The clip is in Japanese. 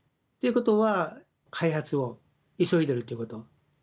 ということは、開発を急いでるということ。